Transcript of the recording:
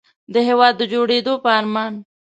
د هېواد د جوړېدو په ارمان.